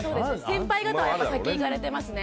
先輩方は先、行かれてますね。